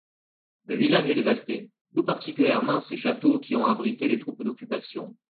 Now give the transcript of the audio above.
Le village est dévasté, tout particulièrement ses châteaux qui ont abrité des troupes d'occupation.